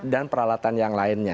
dan peralatan yang lainnya